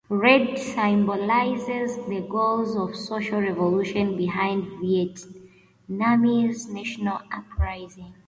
Red symbolizes the goals of social revolution behind the Vietnamese, national uprising.